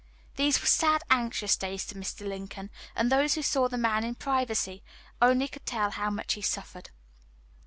These were sad, anxious days to Mr. Lincoln, and those who saw the man in privacy only could tell how much he suffered.